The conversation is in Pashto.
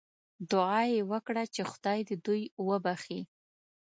دعا یې وکړه چې خدای دې دوی وبخښي.